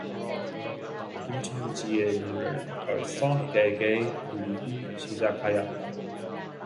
김첨지의 눈은 벌써 개개 풀리기 시작하였다.